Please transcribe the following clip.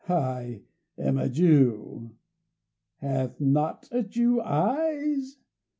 I am a Jew!... Hath not a Jew eyes?